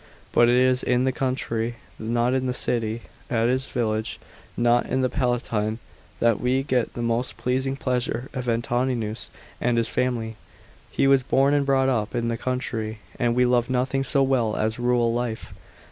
But it is in the country, not in the city, at his villas, not on the Palatine, that we get the most pleasing picture of Antoninus and his family. He was born and brought up in the country, and he loved nothing so well as rural life.